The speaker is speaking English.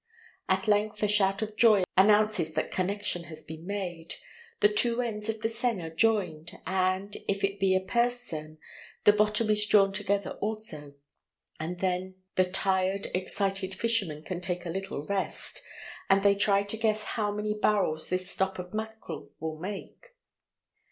At length a shout of joy announces that connection has been made. The two ends of the seine are joined, and, if it be a purse seine, the bottom is drawn together also, and then the tired, excited fishermen can take a little rest, and they try to guess how many barrels this "stop" of mackerel will make.